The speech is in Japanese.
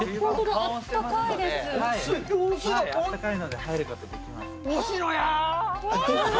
あったかいので入ることがで星のや！